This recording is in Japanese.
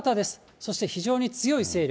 そして非常に強い勢力。